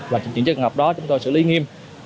và những trường hợp đó chúng tôi xử lý nghiêm